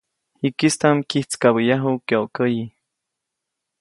Jikistaʼm kyijtskabäʼyaju kyokäyi.